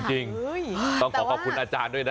จริงต้องขอขอบคุณอาจารย์ด้วยนะ